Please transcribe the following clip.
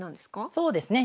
そうですね。